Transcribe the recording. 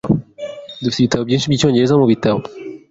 Dufite ibitabo byinshi byicyongereza mubitabo.